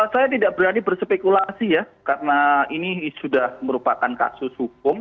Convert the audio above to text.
saya tidak berani berspekulasi ya karena ini sudah merupakan kasus hukum